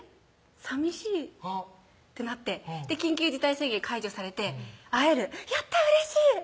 さみしいってなって緊急事態宣言解除されて会えるやったうれしい！